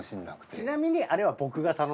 ちなみにあれは。